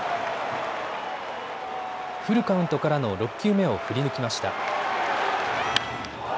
フルカウントからの６球目を振り抜きました。